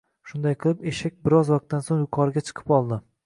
Shunday qilib, eshak biroz vaqtdan soʻng yuqoriga chiqib oldi